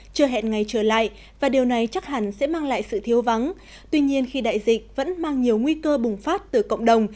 chưa hẹn ngày trở lại và điều này chắc hẳn sẽ mang lại sự thiếu vắng tuy nhiên khi đại dịch vẫn mang nhiều nguy cơ bùng phát từ cộng đồng